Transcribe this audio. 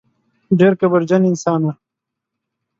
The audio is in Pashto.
ډېر کبرجن انسان و.